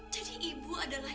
jadi ibu adalah